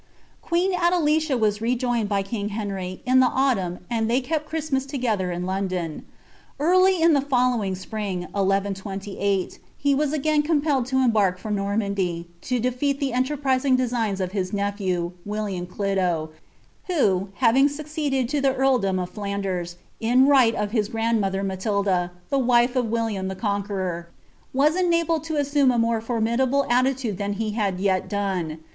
. sen Adelicia was rejoined by king Henry, in the autumn, and [ An kepi ilieir Christmas together in Loudon. Early in the following IliBDg. 1128, he was again compelled lo embark for Normandy, to ■ mm the enterprising designs of his nephew, William Cliio, who, I knng sncreeded to the earldom of Flanders, in right of his grand ■ rr Matilda, tlie wife of William the Conqueror, was enabled to at a mure formidable attitude ihan he had yet done.